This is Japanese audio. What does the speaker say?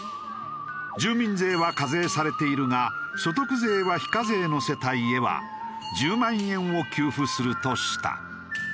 住民税は課税されているが所得税は非課税の世帯へは１０万円を給付するとした。